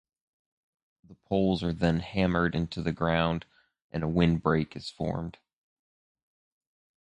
The poles are then hammered into the ground and a windbreak is formed.